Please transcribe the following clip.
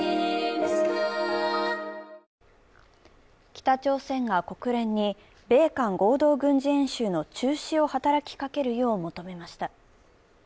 北朝鮮が国連に、米韓合同軍事演習の中止を働きかけるよう求めました。